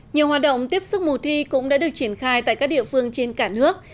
nhiều hoạt động tiếp sức mùa thi cũng đã được triển khai tại các địa phương trên cả nước